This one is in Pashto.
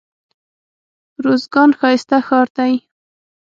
روزګان ښايسته ښار دئ.